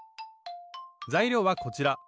材料はこちら。